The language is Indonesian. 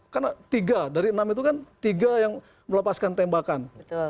karena tiga dari enam itu kan tiga yang melepaskan tembakan